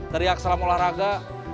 teriak selama olahraga